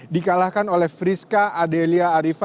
dikalahkan oleh friska adelia arifa